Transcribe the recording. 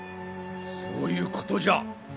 そういうことじゃ。